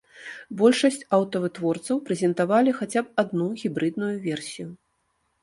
Большасць аўтавытворцаў прэзентавалі хаця б адну гібрыдную версію.